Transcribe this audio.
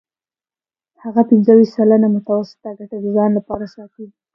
هغه پنځه ویشت سلنه متوسطه ګټه د ځان لپاره ساتي